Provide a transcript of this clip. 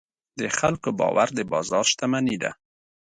د خلکو باور د بازار شتمني ده.